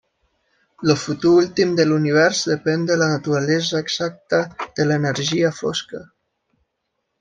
El futur últim de l'univers depèn de la naturalesa exacta de l'energia fosca.